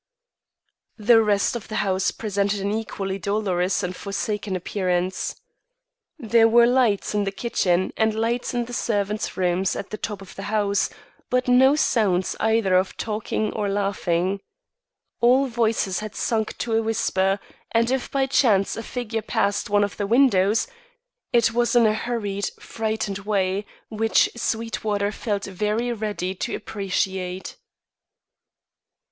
The rest of the house presented an equally dolorous and forsaken appearance. There were lights in the kitchen and lights in the servants' rooms at the top of the house, but no sounds either of talking or laughing. All voices had sunk to a whisper, and if by chance a figure passed one of the windows, it was in a hurried, frightened way, which Sweetwater felt very ready to appreciate.